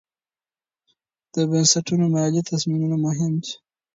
د بنسټونو مالي تصمیمونه مهم دي.